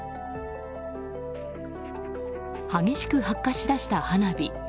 激しく発火し出した花火。